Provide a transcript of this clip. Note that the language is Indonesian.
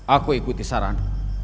aku ikuti saran